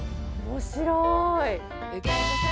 面白い。